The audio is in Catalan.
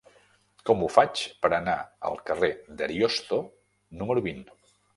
Com ho faig per anar al carrer d'Ariosto número vint?